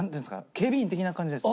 警備員的な感じです。